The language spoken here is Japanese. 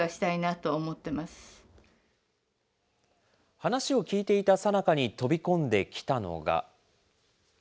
話を聞いていたさなかに飛び込んできたのが。